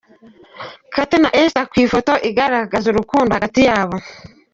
Kate Gustave na Esther ku ifoto igaragaza urukundo hagati yabo.